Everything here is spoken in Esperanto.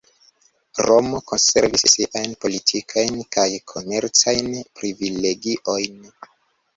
Romo konservis siajn politikajn kaj komercajn privilegiojn.